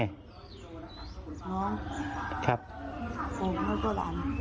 น้องครับโรงพยาบาลตัวล้าน